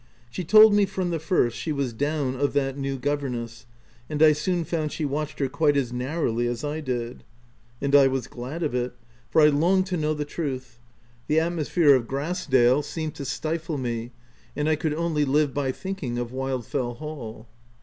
She told me from the first she was " down of that new governess/' and I soon found she watched her quite as narrowly as I did ; and I was glad of it, for I longed to know the truth : the atmosphere of Grass dale 104 THE TENANT seemed to stifle me, and I could only live by thinking of Wildfell Hall.